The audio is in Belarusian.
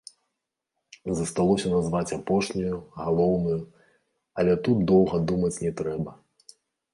Засталося назваць апошнюю, галоўную, але тут доўга думаць не трэба.